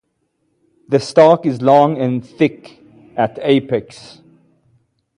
The stalk is long and thick at apex.